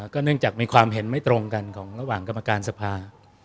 เนื่องจากมีความเห็นไม่ตรงกันของระหว่างกรรมการสภา